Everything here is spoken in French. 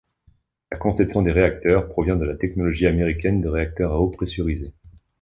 La conception des réacteurs provient de la technologie américaine de réacteur à eau pressurisée.